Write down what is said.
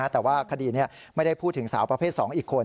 แต่ว่าคดีนี้ไม่ได้พูดถึงสาวประเภท๒อีกคน